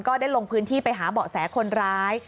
ได้ลงพื้นที่ไปหาเบาะแสคนร้าย